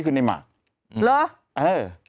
เป็นกินเห็กเออ